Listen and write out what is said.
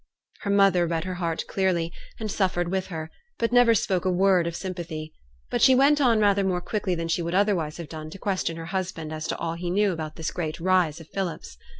Her mother read her heart clearly, and suffered with her, but never spoke a word of sympathy. But she went on rather more quickly than she would otherwise have done to question her husband as to all he knew about this great rise of Philip's.